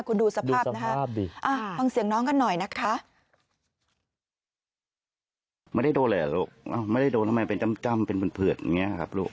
คุณดูสภาพนะคะฟังเสียงน้องกันหน่อยนะคะ